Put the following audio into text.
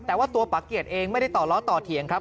แต่ว่าตัวปะเกียจเองไม่ได้ต่อล้อต่อเถียงครับ